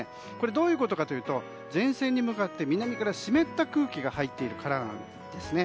どういうことかというと前線に向かって湿った空気が入っているからなんですね。